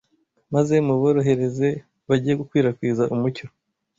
maze mubohereze bajye gukwirakwiza umucyo